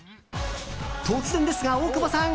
突然ですが、大久保さん。